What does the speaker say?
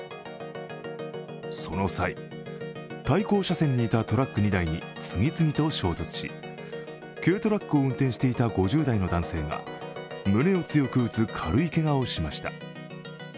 その際、対向車線にいたトラック２台に、次々と衝突し軽トラックを運転していた５０代の男性が胸を強く打つ軽いけがをしました。